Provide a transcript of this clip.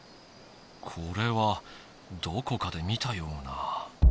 これはどこかで見たような。